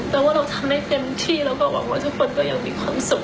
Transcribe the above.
แต่ว่าเราทำได้เต็มที่แล้วก็หวังว่าทุกคนก็ยังมีความสุข